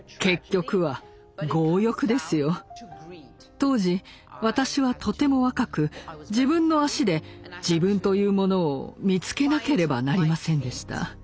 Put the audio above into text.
当時私はとても若く自分の足で自分というものを見つけなければなりませんでした。